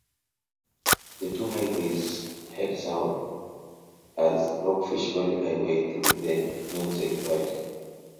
The two highways head south as Rockfish Valley Highway through the namesake valley.